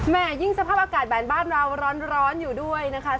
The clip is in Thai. ยิ่งสภาพอากาศแหวนบ้านเราร้อนอยู่ด้วยนะคะ